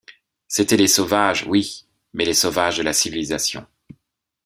C’étaient les sauvages, oui ; mais les sauvages de la civilisation.